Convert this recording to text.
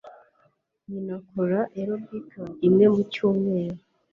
Nyina akora aerobics rimwe mu cyumweru.